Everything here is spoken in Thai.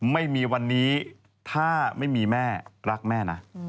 ไม่มีวันนี้ถ้าไม่มีแม่รักแม่นะ